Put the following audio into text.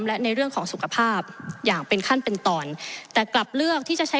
และในเรื่องของสุขภาพอย่างเป็นขั้นเป็นตอนแต่กลับเลือกที่จะใช้